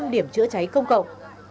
ba trăm linh điểm chữa cháy công cộng